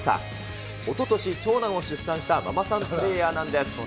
おととし、長男を出産したママさんプレーヤーなんです。